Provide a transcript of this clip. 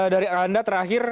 dari anda terakhir